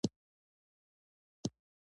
زموږ پښتو مترجم به متوجه شوی وای.